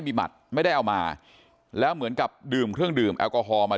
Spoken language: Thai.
มีหมัดไม่ได้เอามาแล้วเหมือนกับดื่มเครื่องดื่มแอลกอฮอล์มา